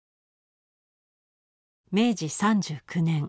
明治３９年。